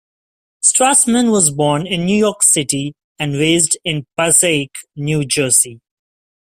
Strassman was born in New York City and raised in Passaic, New Jersey.